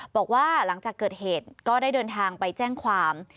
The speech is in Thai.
บอกว่าหลังจากเกิดเหตุก็ได้เดินทางไปแจ้งความ